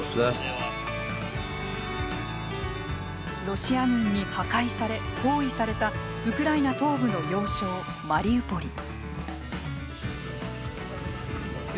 ロシア軍に破壊され包囲されたウクライナ東部の要衝マリウポリ。